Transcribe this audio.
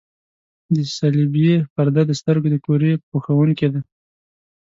د صلبیې پرده د سترګو د کرې پوښوونکې ده.